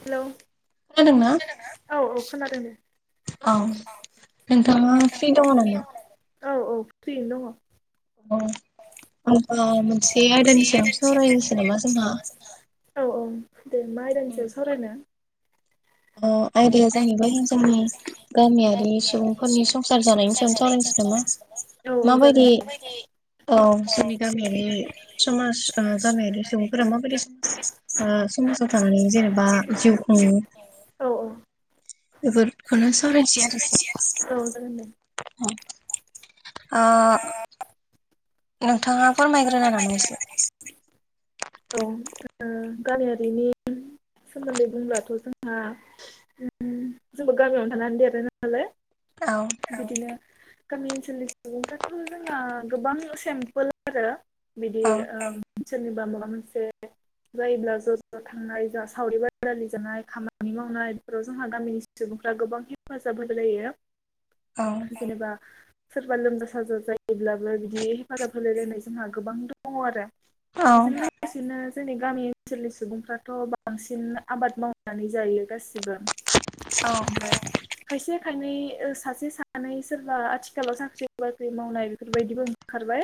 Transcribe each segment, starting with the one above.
Hello खोनादोंना? औ औ खोनादों दे। औ नोंथाङा फ्रि दंङ नामा? औ औ फ्रियैनो दङ। अ होबा मोनसे आयदानि सायाव सावरायनोसै नामा जोंहा। औ औ दे मा आयदानि सयाव सावरायनो। औ। आयदाया जाहैबाय जोंनि गामियारि सुबुंफोरनि संसार जानायनि सायावनो सावरायनोसै नामा। औ औ जागोन माबायदि। औ जोंनि गामियारि समाज गामियारि सुबुंफोरा माबायदि समाज। समाजाव थांनानै जेनेबा जिउ खुङो। औ औ। बेफोरखौनो सावरायनोसै आरो। औ जागोनदे। ओ। नोंथाङा फोरमायग्रोना नामा एसे? औ। ओ गामियारिनि। सोमोन्दै बुंब्लाथ' जोंहा जोंबो गामियावनो थानानै देरो नालाय। औ। बिदिनो गामि ओनसोलनि सुबुंफ्राथ' जोंना गोबां सिम्पोल आरो। बिदि औ ओ सोरनिबा माबा मोनसे जायोब्ला ज' ज' थांनाय जा। सावरि बादालि जानाय खामानि मावनाय बेफोराव जोंहा गामिनि सुबुंफ्रा गोबां हेफाजाब होलोलायो। औ। जेनेबा। सोरबा लोमजा साजा जायोब्लाबो बिदि हेफाजाब होलायलायनाय जोंहा गोबां दङ आरो। बेजों लोगोसेनो जोंनि गामि ओनसोलनि सुबुंफ्राथ'। बांसिन आबाद मावनानै जायो गासिबो औ ओमफ्राय। खायसे खायनै सासे सानै सोरबा आथिखालाव साख्रि बाख्रि मावनाय बेफोरबायदिबो। ओंखारबाय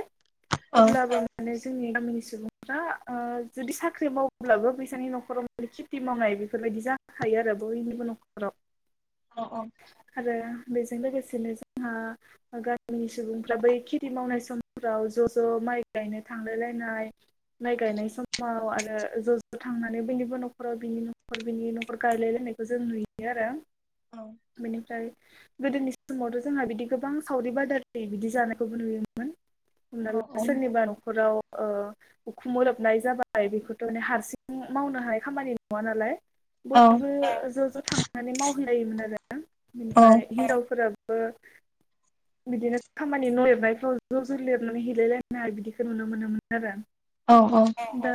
औ अब्लाबो आ [unintelligible] माने जोंनि गामिनि सुबुंफ्रा ओ जुदि साख्रि मावब्लाबो फैसानि न'खराव। माने खेथि मावनाय बेफोरबायदि जाखायो आरो बयनिबो न'खराव। औ औ। आरो बेजों लोगोसेनो जोंहा। गामिनि सुबुंफ्रा बै खेथि मावनाय समफ्राव ज' ज' माइ गायनो थांलायलायनाय। माइ गायनाय समाव आरो ज' ज' थांनानै बयनिबो न'खर। न'खराव बिनि न'खर बिनि न'खर गायलायलायनायखौ जों नुयो आरो। औ। बेनिफ्राय। गोदोनि समावथ' जोंहा बिदि गोबां सावरि बादालि बिदि जानायखौबो नुयोमोन। हमना ला औ सोरनिबा न'खराव। ओ उखुमोरोबनाय जाबाय बेखौथ' माने हारसिं मावनोहाय। खामानि नङा नालाय बयबो ज' ज' थांनानै मावहोलायोमोन आरो। ओमफ्राय हिनजावफोराबो। बिदिनो खामानि न' लिरनायफ्राव ज' ज' लिरनानै हेलायलायनाय बिदिखौ नुनो मोनोमोन आरो आं। औ औ। दा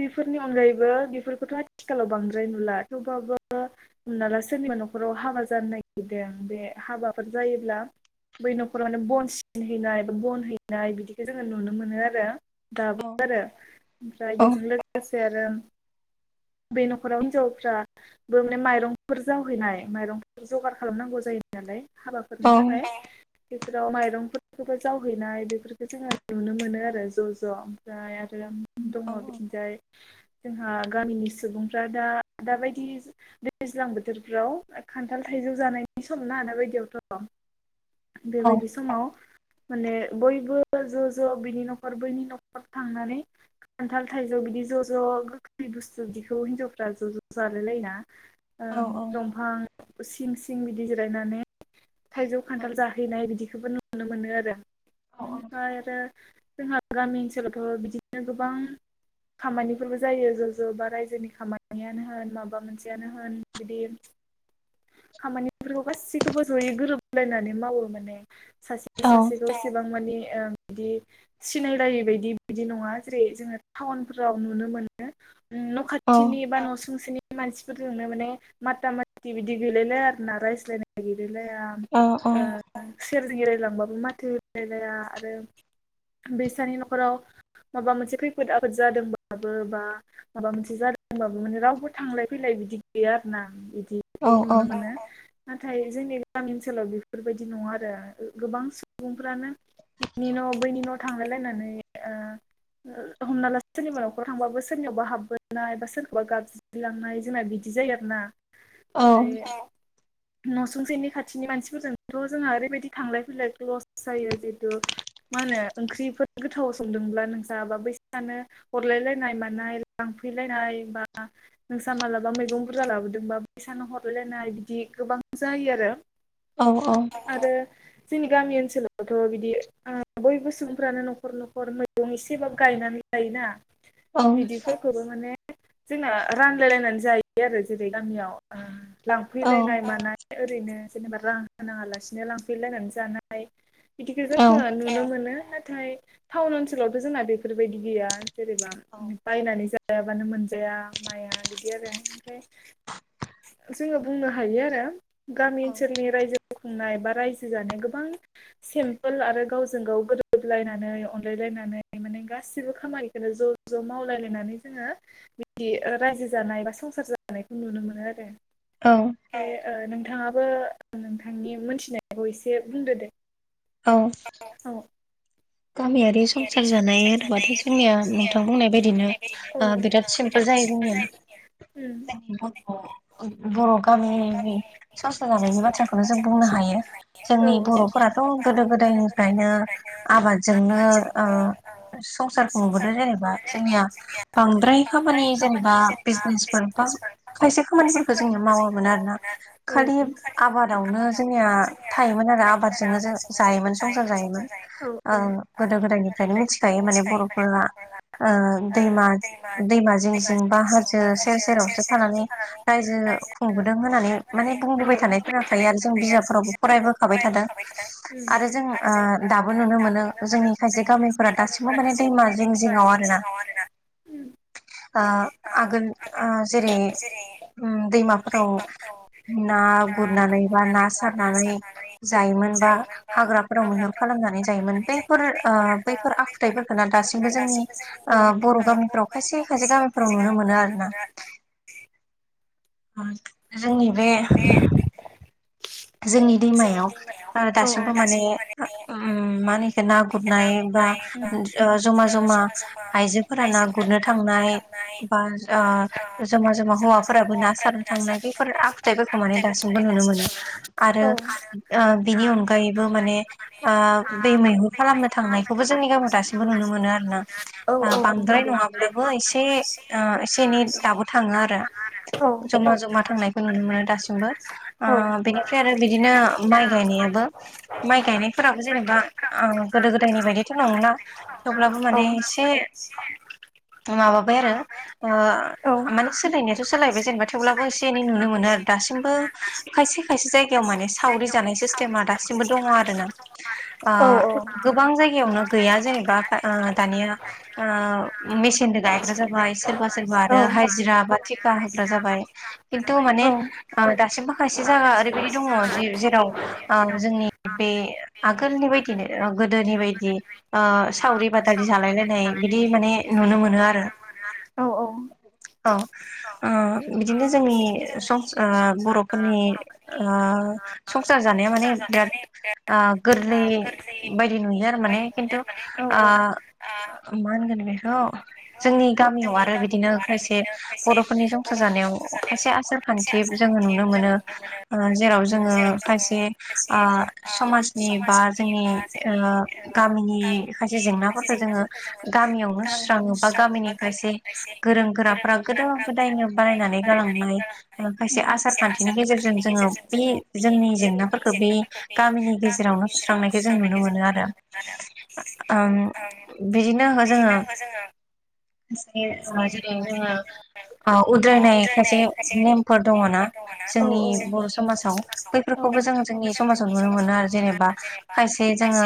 बेफोरनि अनगायैबो। बेफोरखौथ' आथिखालाव बांद्राय नुला थेवबाबो। हमना ला सोरनिबा न'खराव हाबा जानो नागिरदों बे हाबाफोर जायोब्ला। बै न'खराव माने बन सिन हैनाय बा बन हैनाय बिदिखौ जोङो नुनो मोनो आरो। [unintelligible] दाबो आरो ओमफ्राय बेजों लोगोसे आरो। बे न'खराव हिनजावफ्राबो माने माइरंफोर जावहैनाय माइरंफोर जगार खालामनांगौ जायो। नालाय हाबाफोरनि थाखाय बेफोराव माइरंफोरखौबो जावहैनाय बेफोरखौ जोङो नुनो मोनो आरो ज' ज' ओमफ्राय आरो दङ' बिथिंजाय जोंहा गामिनि सुबुंफ्रा दा दाबायदि दैज्लां बोथोरफ्राव खान्थाल थाइजौ जानायनि सम ना बायदियावथ'। बेबायदि समाव माने बयबो ज' ज' बिनि न'खर बैनि न'खर थांनानै। खान्थाल थाइजौ बिदि ज' ज' [unintelligible] गोखै बुस्थु बिखौ हिनजावफ्रा ज' ज' जालाय लायना ओ दंफां, सिं सिं बिदि जिरायनानै थाइजौ खान्थाल जाहैनाय बिदिखौबो न [unintelligible] नुनो मोनो आरो। ओमफ्राय आरो जोंहा गामि ओनसोलावथ' बिदिनो गोबां खामानिफोरबो जायो। [unintelligible] बा रायजोनि खामानियानो होन माबा मोनसेयानो होन बिदि खामानिफोरखौ गासैखौबो जयै गोरोबलायनानै मावो माने। सासेया सासेखौऐसेबां मानि ओ बिदि सिनायलायि बायदि बिदि नङा जेरै जोङो टाउनफोराव नुनो मोनो। न' खाथिनि बा न' सुंसेनि मानसिफोरजोंनो माने माथा माथि बिदि गैलायलाय आरो ना रायज्लायनाय गैलायलाया ओ सेर जों ऐरायलांबाबो माथो रायलाया आरो बिसानि न'खराव माबा मोनसे खैफोद आफोद जादोंब्लााबबो बा माबा मोनसे जादोंबाबो माने रावबो थांलाय फैलाय बिदि गैया आरोना बिदि, खौ नुनो मोनो। नाथाय जोंनि गामि ओनसोलाव बेफोरबायदि नङा आरो गोबां सुबुंफ्रानो बिनि न' बैनि न' थांलायलायनानै ओ हमना ला सोरनिबा न'खराव थांबाबो सोरनियावबा हाब बोनाय बा सोरखौबा गाबज्रि्रिलांनाय जोंना बिदि जायो आरो ना। ओफ्राय [unintelligible] न'सुंसेनि खाथिनि मानसिफोरजोंथ' जोंहा ओरैबायदि थांलाय फैलाय ज' जायो जिहेतु मा होनो ओंख्रिफोर गोथाव संदोंब्ला नोंसा बा बैसानो हरलायलायनाय मानाय लांफैलायनाय बा नोंसा मालाबा मैगं बुरजा लाबोदोंबा बैसानो हरायलायनाय बिदि गोबां जायो आरो। औ औ आरो जोंनि गामि ओनसोलावथ' बिदि बयबो सुबुंफ्रानो न'खर न'खर मैगं एसेबाबो गायनानै [unintelligible] औ जेखौबो माने जोंना रानलायलायनानै जायो आरो जेरै गामियाव। लांफैलायनाय मानाय। ओरैनो जेनेबा रां होनाङालासिनो लांफैलायनानै जानाय बिदिखो जोङो नुनो मोनो नाथाय टाउन ओनसोलावथ' जोंना बेफोरबायदि गैया जेनेबा बायनानै जायाबानो मोनजाया माइया बिदि आरो ओमफाय जोङो बुंनो हायो आरो गामि ओनसोलनि रायजो खुंनाय बा रायजो जानाय गोबां सिम्पोल आरो गावजों गाव गोरोबलायनानै अनलायलायनानै माने गासिबो खामानिखौनो ज' ज' मावलायलायनानै जोङो बिदि रायजो जानाय बा संसार जानायखौ नुनो मोनो आरो। औ नोंथाङाबो नोंथांनि मोनथिनायखौ एसे बुंदो दे। औ [unintelligible] गामियारि संसार जानाय उम होनोबाथ' जोंनिया नोंथां बुंनाय बाय दिनो ओ बिराद सिम्पोल जायो जोंनिया। [unintelligible] बर' गामिनि संसार जानायनि बाथ्राखौनो जों बुंनो हायो। औ जोंनि बर'फोराथ' गोदो गोदायनिफ्रायनो आबादजोंनो ओ संसारखौ नुबोदों जेनेबा [unintelligible] [unintelligible] जोंनिया बांद्राय खामानि जेनेबा बिजनेसफोर बा खायसे खामानिफोरखौ जोंनिया मावामोन आरोना खालि आबादावनो जोंनिया थायोमोन आरो आबादजोंनो जों जायोमोन संसार जायोमोन [unintelligible] औ ओ गोदो गोदायनिफ्रायनो मिथिखायो माने बर'फोरा उम ओ दैमा दैमा जिं जिं [unintelligible] बा हाजो सेर सेरावसो थानानै औ रायजो खुंबोदों होननानै माने बुंबोबाय औ थानाय खोनाखायो आरो जों बिजाबफोरावबो फरायबोखाबाय थादों [unintelligible] आरो जों ओ दाबो नुनो [unintelligible] मोनो जोंनि खायसे गामिफोरा दासिमबो माने दैमा जिं जिङाव आरोना [unintelligible] ओ आगोल जेरै उम दैमाफोराव ना गुरनानै बा ना सारनानै जायोमोन बा हाग्रा फ्राव मैहुर खालामनानै जायोमोन बैफोर बैफोर आखुथाइफोरखौ ना दासिमबो जोंनि ओ उम बर' गामिफ्राव खायसे खायसे गामिफोराव नुनो मोनो आरो ना। जोंनि बे [inaudible] जोंनि दैमायाव ओ माने दासिमबो उम मा होनो इखो ना माने गुरनाय बा ओ जमा जमा आइजोफोरा ना गुरनो थांनाय बा ओ [unintelligible] जमा जमा हौवाफोराबो ना हौवाफ्राबो सारनो थांनाय बेफोर आखुथायाइफोरखौ माने दासिमबो नुनो मोनो [unintelligible] आरो ओ बिनि अनगायैबो माने ओ बे मैहुर खालामनो थांनायखौबो जोंनि गामियाव दासिमबो नुनो मोनो आरोना औ नंगौ औ बांद्राय नङा बाबो एसे एसे एनै दाबो थाङो आरो। औ जमा जमा थांनायखौ नुनो मोनो दासिमबो। औ बेनिफ्राय आरो बिदिनो माइ गायनायाबो माइ गायनायफोराबो जेनेबा ओ गोदो गोदायनि बायदिथ' नंला थेवब्लाबो माने माबाबाय आरो ओ माने औ सोलायनायाथ' सोलायबाय जेनबा थेवब्लाबो एसे एनै नुनो मोनो आरो दासिमबो खायसे खायसे जायगायाव माने सावरि जानाय सिस्टेमा दासिमबो दङ आरोना ओ गोबां जायगायावनो गैया जेनेबा ओ दानिया ओ मेसिनजों गायग्रा जाबाय। सोरबा सोरबा आरो थिका होग्रा जाबाय खिनथु माने दासिमबो खायसे ओरैबायदि दङ जि जेराव जोंनि बे आगोलनि बायदिनो गोदोनि बायदि ओ सावरि बादालि जालायलायनाय बिदि माने नुनो मोनो आरो। [inaudible] औ ओ बिदिनो जोंनि सं बर'फोरनि ओ संसार जानाया माने बिराद गोरलै बायदि नुयो आरो माने। खिन्थु औ औ आ औ मा होनगोन बेखौ' जोंनि गामियाव आरो बिदिनो खायसे बर'फोरनि संसार जानायाव खायसे आसार खान्थि जोङो नुनो मोनो। जेराव जोङो खायसे ओ समाजनि बा जोंनि ओ गामिनि खायसे जेंनाफोरखौ जोङो गामियावनो सुस्राङो बा गामिनि खायसे गोरों गोराफ्रा गोदान गोदायनो बानायनानै गालांनाय औ नंगौ औ खायसे आसार खान्थिनि गेजेरजों जोङो बे जोंनि जेंनाफोरखौ बे गामिनि गेजेरावनो सुस्रांनायखौ जों नुनो मोनो आरो बिदिनो जोङो जेरै जोङो उद्रायनाय खायसे नेमफोर दङ ना जोंनि बर' समाजाव बैफोरखौबो जोङो जोंनि समाजाव नुनो मोनो आरो जेनेबा खायसे जे जोङो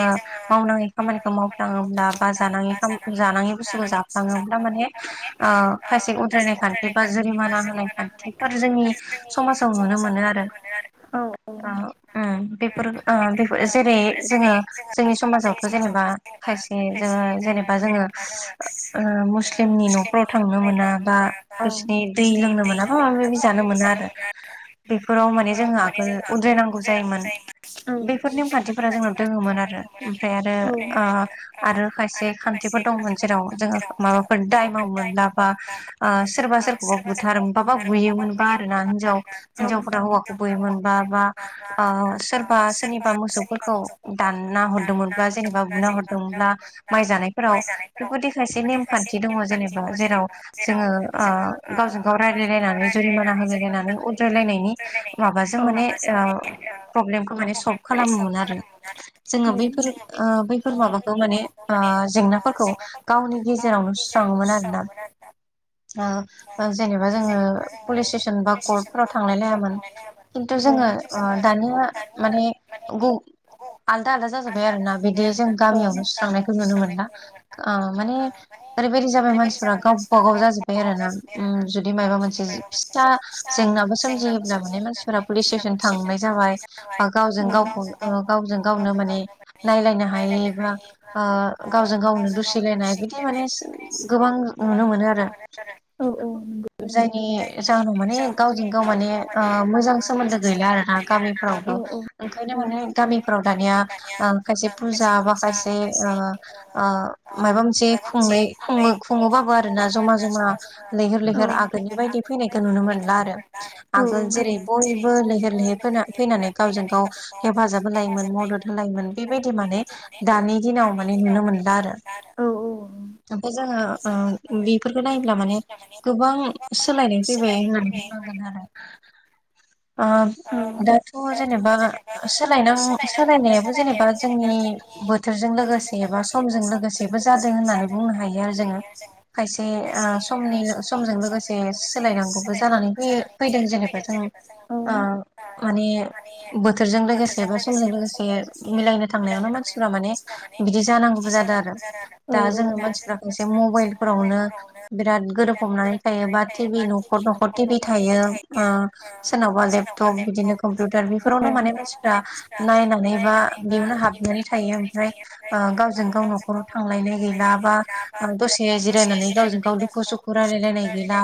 मावनाङै खामानिखौ मावफ्लाङोब्ला बा जाङि जानायाङि बुस्थुखौ थाङोब्ला माने खायसे उद्रायनाय खान्थि बा जुर होनाय खान्थिफोर जोंनि समाजाव नुनो मोनो आरो औ औ बेफोर जेरै जोङो जोंनि समाजावथ' जेनेबा खायसे जोङो जेनेबा जोङो मुस्लिमनि न'फ्राव थांनो मोना बा बिसिनि बिनि दै मोना बा लोंनो माबा माबि मोनाथ' आंनो बिज जानो आरो मोना बेफोराव जोङो माने आगोल जोंहाबो उद्रायनांगौ बजायनांगौ जायोमोन जायोमोन बेफोर नेमखान्थिफोरा जोंनाव थिफोरा दोङोमोन जों दङोमोन आरो ओमफ्राय फ्राय ओ खायसे आरो खान्थिफोर खायसे खा दंमोन जेराव जोङो माबाफोर दाय मावोमोनब्ला बा ओ सोरबा सोरखौबा [inaudible] बुथारोमोनबा बा बुथार माबा बुयोमोनबा आरोना होयोमोनबा हिनजाव आरोना हौवाखौ हिनजावफोरा हौवा बुयोमोनबा हौवै मोनबा बा ओ सोरबा सोरनिबा सोरनिबा मोसौफोरखौ मोजां खौ दानना दानना हरदोंमोनब्ला जेनेबा हरदोंमोनब्ला बुना जेनेबा दुना हरदोंमोनब्ला माइ जानायफोराव माइ जानायफोराव बेफोरदि खायसे बेबायदि खायसे नेमखान्थि दङ नेम खान्थि जेनेबा दङ जेरै जेराव मोनो जेराव जोङो ओ जोङो [inaudible] गावजों गाव रायलायलायनानै जुरिमाना होलायलायनानै उद्रायलायनायनि रलायनायनि माबाजों माबासो ओ माने माने सल्भ प्रब्लेमखौ माने सल्भ खालामोमोन खालामनो मोनो आरो जोङो बैफोर जोङो ओ बेफोर बैफोर माबाखौ बैफोर माने माबाखौ ओ माने जेंनाफोरखौ जेंनाफोरखौ गावनि गेजेरावनो आरोना सुस्राङोमोन आरो ना जेनेबा जोङो पुलिस स्टेसन बा कर्टफोराव थांलाय लायामोन खिन्थु जोङो दानिया माने आलदा आलदा जाजोब्बाय आरो ना बिदि जों गामियावनो सुस्रांनायखौ नुनो मोनला माने ओरैबायदि जाबाय मानसिफ्रा गावबा गाव जाजोब्बाय आरो ना उ जुदि मायाबा मोनसे फिसा जेंनाबो सोमजियो ज माने मानसिफोरा पुलिस स्टेसन थांनाय जाबाय बा गावजों गावखौ गावजों गावनो माने नायलायनो हाय बा गावजों गावनो दुसिलायनाय बिदि माने गोबां नुनो मोनो आरो औ जायनि जाहोनाव माने गावजों गाव माने मोजां सोमोन्दो गैला आर ना गामिफ्रावबो ओंखायनो माने गामिफ्राव दानिया ओम माखासे फुजा बा खायसे ओ ओ मायबा मोनसे खुंनाय खुङो खुङोबाबो आरोना जमा जमा लैहोर लैहोर आगोलनि बायदि फैनायखौ नुनो मोनला आरो। आगोल जेरै बयबो लैहोर लैहोर फैनानै गावजों गाव हेफाजाब होलायोमोन मदद होलायोमोन। बेबायदि माने दानि दिनाव माने नुनो मोनला आरो। औ औ। ओमफाय जोङो ओ बेफोरखौ नायोब्ला माने गोबां सोलायनाय फैबाय होननानै बुंनांगोन आरो। औ दाथ' जेनेबा सोला सोलायनायाबो जेनेबा जोंनि बोथ थोरजों लोगोसे एबा समजों लोगोसेबो जादों होननानै बुंनो हायो आरो जोङो खायसे ओ समनि समजों लोगोसे सोलायनांगौबो जानानै फैयो। फैदों जेनेबा जों ओ माने बोथोरजों लोगोसे बा समजों लोगोसे मिलायनो थांनायावनो मानसिफोरा माने बिदि जानांगौबो जादों आरो दा जोङो मानसफ्रा एसे मबाइल फोरावनो बिराद गोरोबफबनानै थायो बा टिभि न' खर न'खर टिभि थायो ओ सोरनावबा लेपटप बिदिनो कम्पिउटार बेफोरावनो माने मानसिफ्रा नायनानै बा बेयावनो हाबनानै थायो ओमफ्राय ओ गावजों गाव न'खराव थांलायनाय गैला बा दसे जिरायनानै गावजों गाव दुखु सुखु रायलायलायनाय गैला।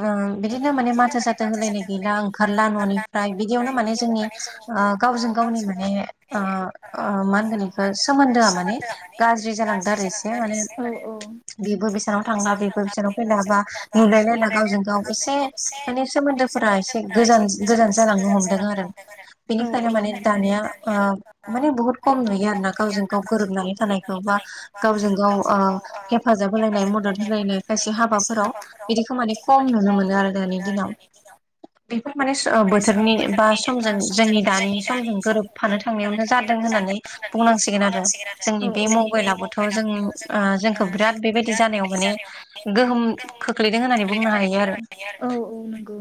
उम बिदिनो माने माथो साथो होलायनाय गैला ओंखारला न'नि फ्राय बिदियावनो माने जोंनि ओ गावजों गावनि माने ओ ओ मा होनगोन ए सोमोन्दोआ माने गाज्रि जालांदो आरो इसे माने औ औ। बेबो बेसेनाव थांला बेबो बिसेनाव फैलाबा नुलायलायला गावजों गाव एसे माने सोमोन्दोफोरा एसे गोजान गोजान जालांनो हमदों आरो आरो बेनिखायनो माने दानिया ओ माने बुहुत खम नुयो आरो ना गावजों गाव गोरोबनानै थानायखौ बा गावजों गाव ओ हेफाजाब होलायनाय मदद होलायनाय खायसे हाबाफोराव बिदि खामानि खम नुनो मोनो आरो दानि दिनाव बेफोर माने स ओ बोथोर थोरनि बा समजों जोंनि दानि समजों गोरोबफानो थांनायावनो जादों होननानै बुंनांसिगोन आरो जोंनि बे बेनिखायनो मबाइलाबोथ' जों जोंखौ बिराद बेबायदि जानायाव माने गोहोम खोख्लैदों होननानै बुंनो हायो आरो। औ औ नंगौ।